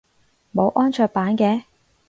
冇安卓版嘅？